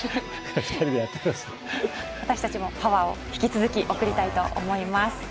私たちもパワーを引き続き送りたいと思います。